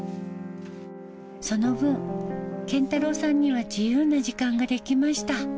その分、謙太郎さんには自由な時間が出来ました。